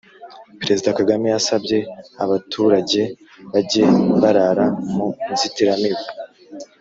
Perezida Kagame yasabye abaturejye bajye barara mu inzitiramibu